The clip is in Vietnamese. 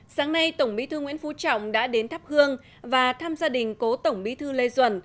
sáng nay tổng bí thư nguyễn phú trọng đã đến thắp hương và thăm gia đình cố tổng bí thư lê duẩn